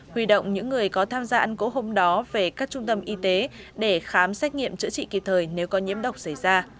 huy động những người có tham gia ăn cỗ hôm đó về các trung tâm y tế để khám xét nghiệm chữa trị kịp thời nếu có nhiễm độc xảy ra